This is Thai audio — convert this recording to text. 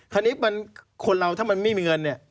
ทีนี้คนเราถ้ามันไม่มีเงิน